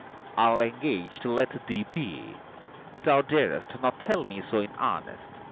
I'll engage to let thee be: Thou darest not tell me so in earnest.